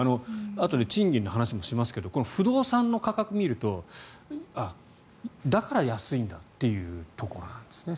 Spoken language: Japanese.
あとで賃金の話もしますがこの不動産の価格を見るとだから安いんだっていうとこなんですね